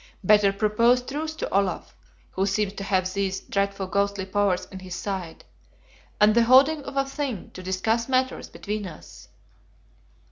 Better propose truce to Olaf (who seems to have these dreadful Ghostly Powers on his side), and the holding of a Thing, to discuss matters between us.